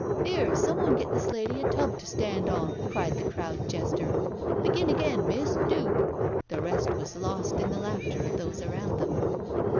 " 'Ere, someone, get this lady a tub to stand on," cried the crowd jester, " begin again. Miss, do. ..." The rest was lost in the laughter of those round them.